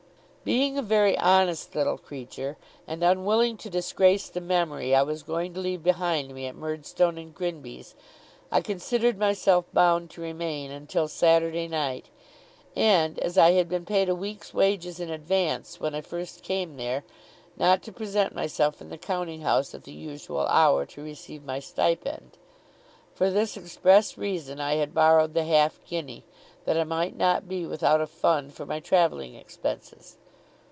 Being a very honest little creature, and unwilling to disgrace the memory I was going to leave behind me at Murdstone and Grinby's, I considered myself bound to remain until Saturday night; and, as I had been paid a week's wages in advance when I first came there, not to present myself in the counting house at the usual hour, to receive my stipend. For this express reason, I had borrowed the half guinea, that I might not be without a fund for my travelling expenses.